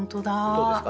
どうですか？